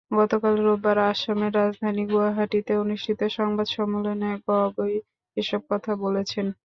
গতকাল রোববার আসামের রাজধানী গুয়াহাটিতে অনুষ্ঠিত সংবাদ সম্মেলনে গগৈ এসব কথা বলেছেন।